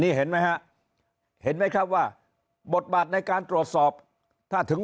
นี่เห็นไหมฮะเห็นไหมครับว่าบทบาทในการตรวจสอบถ้าถึง